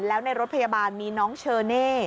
แล้วในรถพยาบาลมีน้องเชอเน่